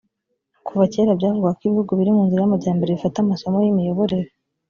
kuva kera byavugwaga ko ibihugu biri mu nzira y’amajyambere bifata amasomo y’imiyoborere